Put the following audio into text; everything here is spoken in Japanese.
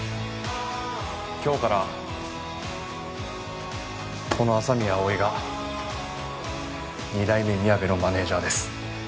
今日からこの麻宮葵が二代目みやべのマネージャーです。